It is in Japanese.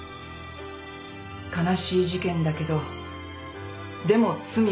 悲しい事件だけどでも罪は罪。